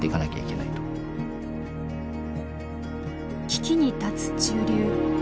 危機に立つ中流。